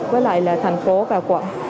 với lại là thành phố và quận